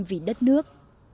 vì đất nước